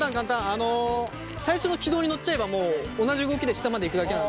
あの最初の軌道に乗っちゃえばもう同じ動きで下までいくだけなので。